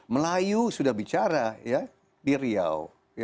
melayu sudah bicara di riau